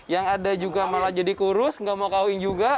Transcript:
yang ada juga malah jadi kurus gak mau kawin juga